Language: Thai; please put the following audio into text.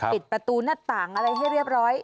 ปิดประตูหน้าต่างอะไรให้เรียบร้อย